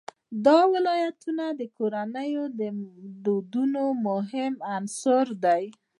دا ولایتونه د کورنیو د دودونو مهم عنصر دی.